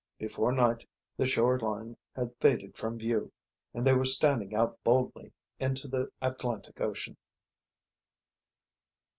Before night the shore line had faded from view, and they were standing out boldly into the Atlantic Ocean.